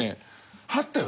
あったよね